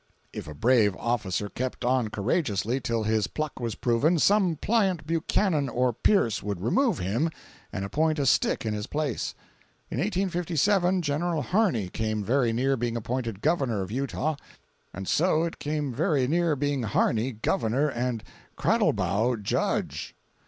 If a brave officer kept on courageously till his pluck was proven, some pliant Buchanan or Pierce would remove him and appoint a stick in his place. In 1857 General Harney came very near being appointed Governor of Utah. And so it came very near being Harney governor and Cradlebaugh judge!